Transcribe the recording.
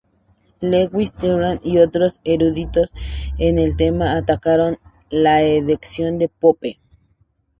Lewis Theobald y otros eruditos en el tema atacaron la edición de Pope.